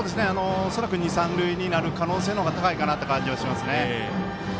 恐らく二三塁になる可能性の方が高いかなという感じはします。